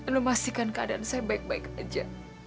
memastikan keadaan saya baik baik aja